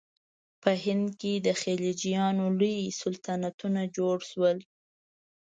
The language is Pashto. په هند کې د خلجیانو لوی سلطنتونه جوړ شول.